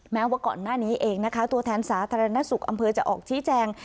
แม้ว่าก่อนหน้านี้เองนะคะตัวแทนสาธารณสุขอำเภอจะออกชี้แจง